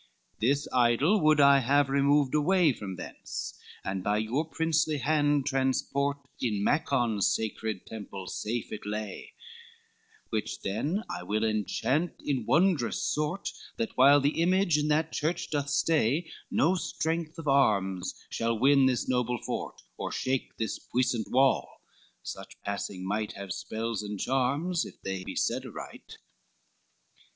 VI "This idol would I have removed away From thence, and by your princely hand transport, In Macon's sacred temple safe it lay, Which then I will enchant in wondrous sort, That while the image in that church doth stay, No strength of arms shall win this noble fort, Of shake this puissant wall, such passing might Have spells and charms, if they be said aright."